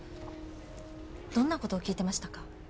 どんな事を聞いてましたか？